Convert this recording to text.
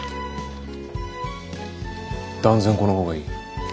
断然この方がいい。